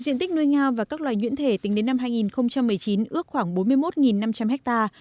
diện tích nuôi ngao và các loài nhuyễn thể tính đến năm hai nghìn một mươi chín ước khoảng bốn mươi một năm trăm linh ha